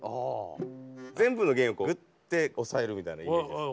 全部の弦をぐって押さえるみたいなイメージです。